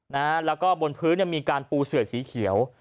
แล้วก็บนพื้นมีการปูเสือสีเขียว